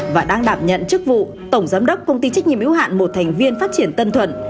và đang đảm nhận chức vụ tổng giám đốc công ty trách nhiệm yếu hạn một thành viên phát triển tân thuận